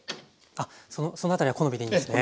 あっそのあたりは好みでいいんですね。